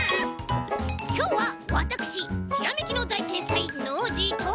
きょうはわたくしひらめきのだいてんさいノージーと！